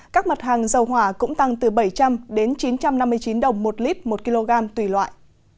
các mặt hàng dầu hỏa cũng tăng từ bảy trăm linh đến chín trăm năm mươi chín đồng một lít một kg tùy loại